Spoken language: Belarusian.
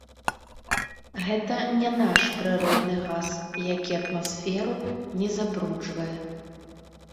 Гэта не наш прыродны газ, які атмасферу не забруджвае.